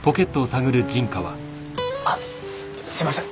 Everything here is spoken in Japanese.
あすいません。